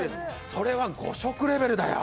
それは誤植レベルだよ。